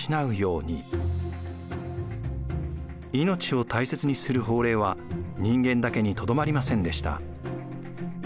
命を大切にする法令は人間だけにとどまりませんでした。